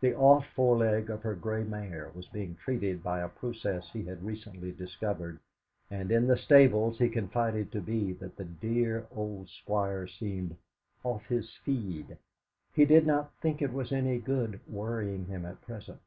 The off foreleg of her grey mare was being treated by a process he had recently discovered, and in the stables he confided to Bee that the dear old Squire seemed "off his feed;" he did not think it was any good worrying him at present.